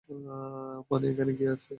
মানে, এখানে কি আছে?